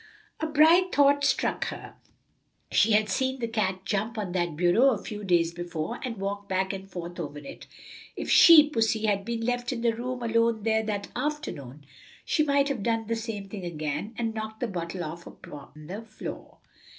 A bright thought struck her. She had seen the cat jump on that bureau a few days before and walk back and forth over it. If she (pussy) had been left in the room alone there that afternoon she might have done the same thing again, and knocked the bottle off upon the floor.